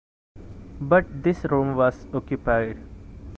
But this room was occupied.